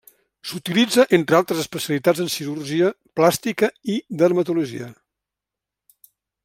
S'utilitza, entre altres especialitats en cirurgia plàstica i dermatologia.